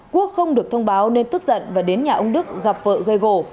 quốc không được thông báo nên tức giận và đến nhà ông đức gặp vợ gây gổ